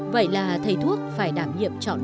vậy là thầy thuốc phải đảm nhiệm trọn vẹn